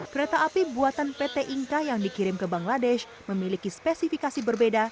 kereta api buatan pt inka yang dikirim ke bangladesh memiliki spesifikasi berbeda